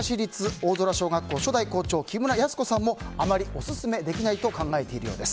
大空小学校初代校長木村泰子さんもあまりオススメできないと考えているそうです。